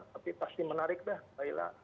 tapi pasti menarik deh mbak ila